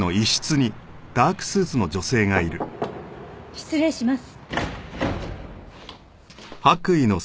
失礼します。